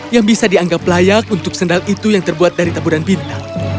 yang bisa dianggap layak untuk sendal itu yang terbuat dari taburan bintang